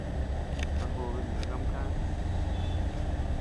Kajobe naka ama kadi.